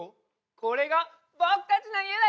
これがぼくたちのいえだよ！